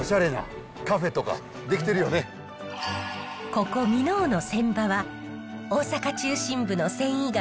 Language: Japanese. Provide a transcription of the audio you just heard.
ここ箕面の船場は大阪中心部の繊維街